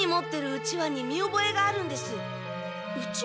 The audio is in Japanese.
うちわ？